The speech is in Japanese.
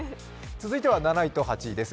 続いては７位と８位です。